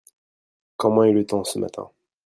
Comment est le temps ce matin ?